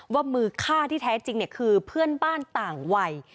ว่ามือฆ่าที่แท้จริงคือเพื่อนบ้านต่างวัย